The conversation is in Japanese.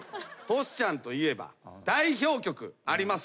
トシちゃんといえば代表曲ありますよね。